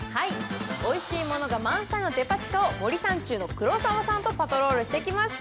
おいしいものが満載のデパ地下を森三中の黒沢さんとパトロールしてきました。